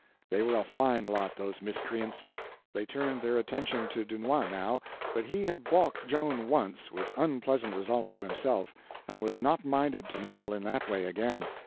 They were a fine lot, those miscreants. They turned their attention to Dunois now, but he had balked Joan once, with unpleasant results to himself, and was not minded to meddle in that way again.